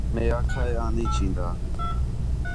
مئے آکھا ہِے آں نہیں چین٘داں